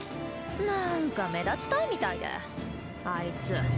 なんか目立ちたいみたいでアイツ。